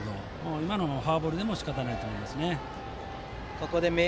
今のはフォアボールでも仕方ないと思います。